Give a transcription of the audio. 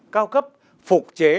cao cấp phục chế